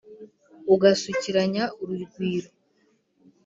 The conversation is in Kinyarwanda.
ugasukiranya urugwiro